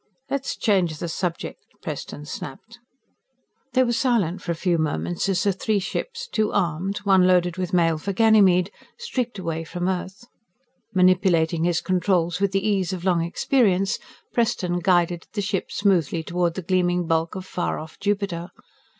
"Let's change the subject," Preston snapped. They were silent for a few moments, as the three ships two armed, one loaded with mail for Ganymede streaked outward away from Earth. Manipulating his controls with the ease of long experience, Preston guided the ship smoothly toward the gleaming bulk of far off Jupiter.